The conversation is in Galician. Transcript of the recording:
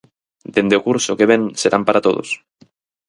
Dende o curso que vén serán para todos.